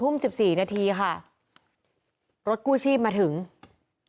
พุ่งเข้ามาแล้วกับแม่แค่สองคน